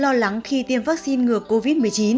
lo lắng khi tiêm vaccine ngừa covid một mươi chín